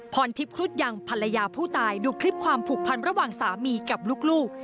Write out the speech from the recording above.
พรทิพย์ครุฑยังภรรยาผู้ตายดูคลิปความผูกพันระหว่างสามีกับลูก